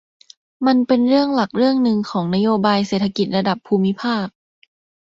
มันเป็นเรื่องหลักเรื่องนึงของนโยบายเศรษฐกิจระดับภูมิภาค